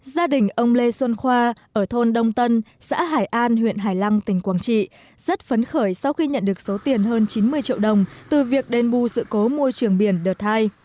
gia đình ông lê xuân khoa ở thôn đông tân xã hải an huyện hải lăng tỉnh quảng trị rất phấn khởi sau khi nhận được số tiền hơn chín mươi triệu đồng từ việc đền bù sự cố môi trường biển đợt hai